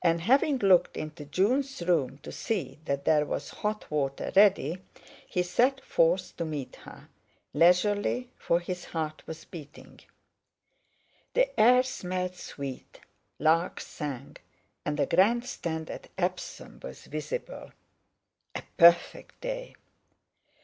And, having looked into June's room to see that there was hot water ready, he set forth to meet her, leisurely, for his heart was beating. The air smelled sweet, larks sang, and the Grand Stand at Epsom was visible. A perfect day!